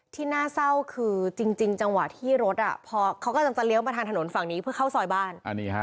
ที่น่าเศร้าคือจริงจังหวะที่รถพอเขากำลังจะเลี้ยวมาทางถนนฝั่งนี้เพื่อเข้าซอยบ้าน